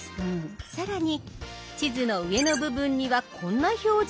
更に地図の上の部分にはこんな表示。